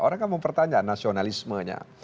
orang akan mempertanyaan nasionalismenya